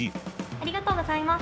ありがとうございます。